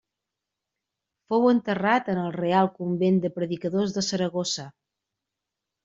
Fou enterrat en el Real Convent de Predicadors de Saragossa.